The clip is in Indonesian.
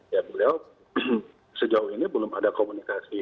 ya beliau sejauh ini belum ada komunikasi